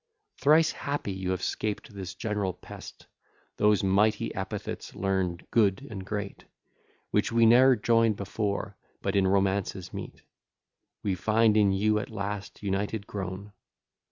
Thrice happy you have 'scaped this general pest; Those mighty epithets, learned, good, and great, Which we ne'er join'd before, but in romances meet, We find in you at last united grown.